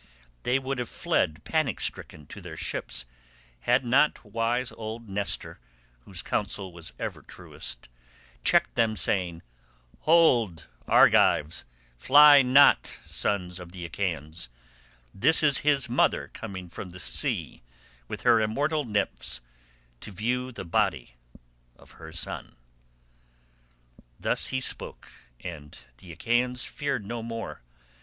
They would have fled panic stricken to their ships had not wise old Nestor whose counsel was ever truest checked them saying, 'Hold, Argives, fly not sons of the Achaeans, this is his mother coming from the sea with her immortal nymphs to view the body of her son.' "Thus he spoke, and the Achaeans feared no more.